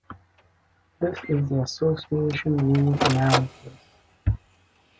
This is the association rule analysis.